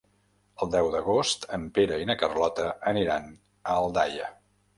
El deu d'agost en Pere i na Carlota aniran a Aldaia.